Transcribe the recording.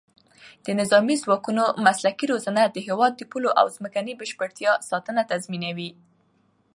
د نظامي ځواکونو مسلکي روزنه د هېواد د پولو او ځمکنۍ بشپړتیا ساتنه تضمینوي.